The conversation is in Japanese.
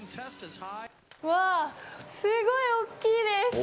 うわ、すごい大きいです。